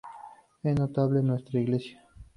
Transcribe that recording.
Es notable nuestra Iglesia.